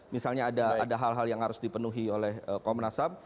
misalnya ada hal hal yang harus dipenuhi oleh komnasam